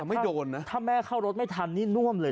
ไม่โดนนะถ้าแม่เข้ารถไม่ทันนี่น่วมเลย